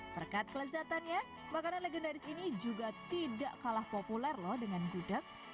berkat kelezatannya makanan legendaris ini juga tidak kalah populer loh dengan gudeg